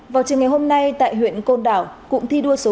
vào trường ngày hôm nay tại huyện côn đảo cụm thi đua số một